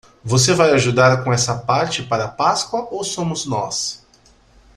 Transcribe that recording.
Você vai ajudar com essa parte para a Páscoa ou somos nós?